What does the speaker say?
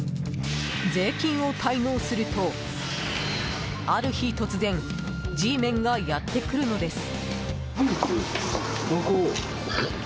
税金を滞納すると、ある日突然Ｇメンがやってくるのです。